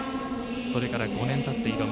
それから５年たって挑む